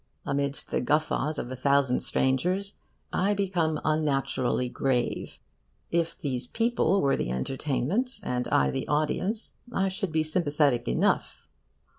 Amidst the guffaws of a thousand strangers I become unnaturally grave. If these people were the entertainment, and I the audience, I should be sympathetic enough.